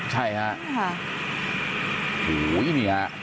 ใช่ครับ